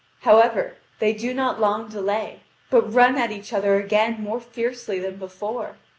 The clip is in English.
However, they do not long delay, but run at each other again more fiercely than before.